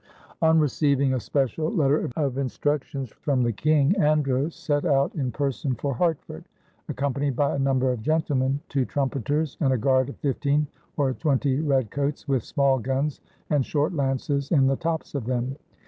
On receiving a special letter of instructions from the King, Andros set out in person for Hartford, accompanied by a number of gentlemen, two trumpeters, and a guard of fifteen or twenty redcoats, "with small guns and short lances in the tops of them."